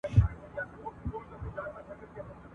قرض د پلار هم بد دی ..